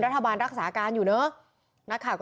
สวัสดีค่ะ